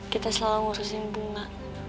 kita selalu ngurusin bunga